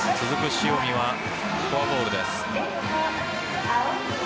塩見はフォアボールです。